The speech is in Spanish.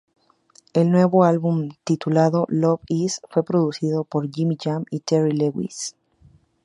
El nuevo álbum, titulado "Love Is", fue producido por Jimmy Jam y Terry Lewis.